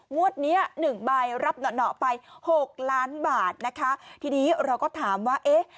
งวดเนี้ยหนึ่งใบรับหน่อหน่อไปหกล้านบาทนะคะทีนี้เราก็ถามว่าเอ๊ะ